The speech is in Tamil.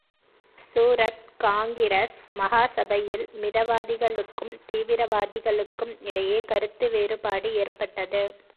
சூரத் காங்கிரஸ் மகா சபையில் மிதவாதிகளுக்கும் தீவிரவாதிகளுக்கும் இடையே கருத்து வேறுபாடு ஏற்பட்டது.